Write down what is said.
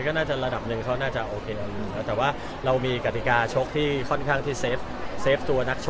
คุณฟันจะเป็นห่วงไหมครับพี่ขุน